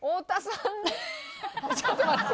ちょっと待って。